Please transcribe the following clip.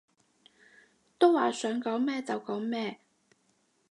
都話想講咩就講咩